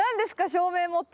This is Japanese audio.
照明持って。